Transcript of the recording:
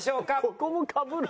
ここもかぶる？